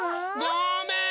ごめん！